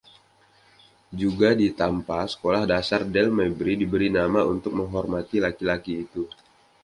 Juga di Tampa, sekolah Dasar Dale Mabry diberi nama untuk menghormati laki-laki itu.